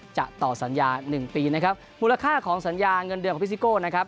จะต่อสัญญา๑ปีมูลค่าของสัญญาเงินเดือนของฟิซิโก้